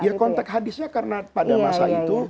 ya konteks hadisnya karena pada masa itu